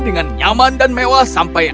dengan nyaman dan mewah sampai